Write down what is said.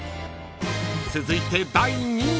［続いて第２位］